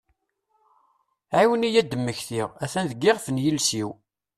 Ɛiwen-iyi ad mmektiɣ, atan deg iɣef nyiules-iw!